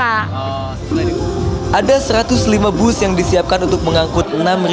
ada satu ratus lima bus yang disiapkan untuk mengangkut